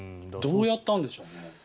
どうやったんでしょうね。